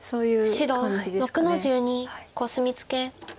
白６の十二コスミツケ。